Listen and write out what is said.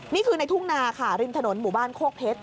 นี่คือในทุ่งนาค่ะริมถนนหมู่บ้านโคกเพชร